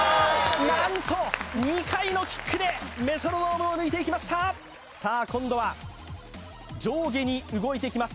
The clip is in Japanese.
何と２回のキックでメトロノームを抜いていきましたさあ今度は上下に動いていきます